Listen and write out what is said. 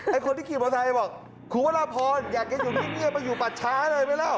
ไอ้คนที่ขีดเบาไทยบอกคุณรัฐพรอยากเก็บอยู่นี่เงียบมาอยู่ปัดช้าเลยไหมแล้ว